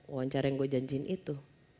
wawancara yang gue janjiin itu